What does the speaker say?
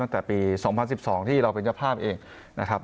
ตั้งแต่ปี๒๐๑๒ที่เราเป็นเจ้าภาพเองนะครับ